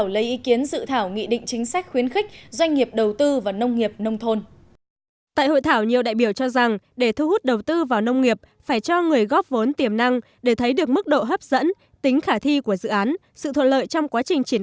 lấy ý kiến các hiệp hội để kiến nghị chính sách đầu tư vào nông nghiệp